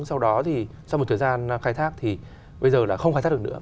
sau đó sau một thời gian khai thác thì bây giờ không khai thác được nữa